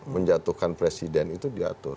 menjatuhkan presiden itu diatur